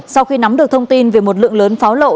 sau khi nắm được thông tin về một lượng lớn pháo lộ